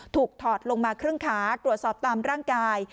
ถูกถอดลงมาเครื่องขากรับสอบตามร่างกาย